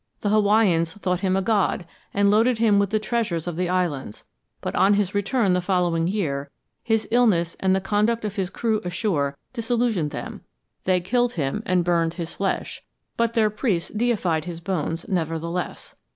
The Hawaiians thought him a god and loaded him with the treasures of the islands, but on his return the following year his illness and the conduct of his crew ashore disillusioned them; they killed him and burned his flesh, but their priests deified his bones, nevertheless.